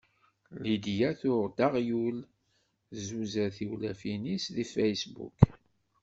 Lidya tuɣ-d aɣyul tzuzer tiwlafin-is deg facebook.